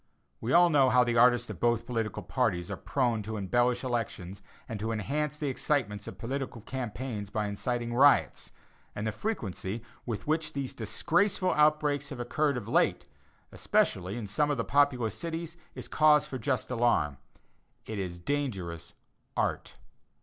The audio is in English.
We all know how the "artists" of both political parties are prone to embellish elections and to enhance the excitements of political campaigns by inciting riots, and the frequency with which these disgraceful outbreaks have occurred of late, especially in some of the populous cities, is cause for just alarm. It is dangerous "art."